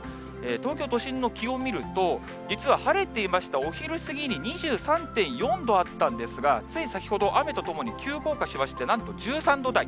東京都心の気温見ると、実は晴れていましたお昼過ぎに２３．４度あったんですが、つい先ほど、雨とともに急降下しまして、なんと１３度台。